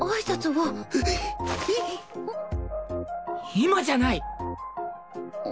今じゃない。